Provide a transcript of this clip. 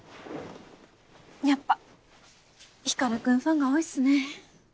やっぱ光君ファンが多いっすね。